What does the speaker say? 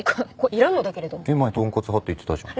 前とんこつ派って言ってたじゃん。